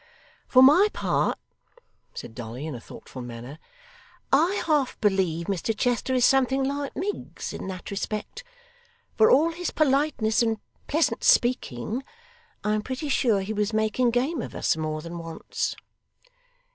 'For my part,' said Dolly, in a thoughtful manner, 'I half believe Mr Chester is something like Miggs in that respect. For all his politeness and pleasant speaking, I am pretty sure he was making game of us, more than once.